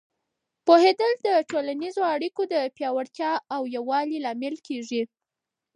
پوهېدل د ټولنیزو اړیکو د پیاوړتیا او یووالي لامل کېږي.